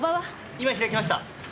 今開きました。